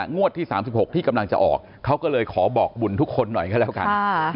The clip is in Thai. งวดที่๓๖ที่กำลังจะออกเขาก็เลยขอบอกบุญทุกคนหน่อยก็แล้วกัน